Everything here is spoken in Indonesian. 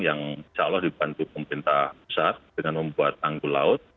yang insya allah dibantu pemerintah pusat dengan membuat tanggul laut